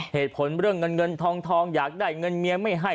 เหตุผลเรื่องเงินเงินทองอยากได้เงินเมียไม่ให้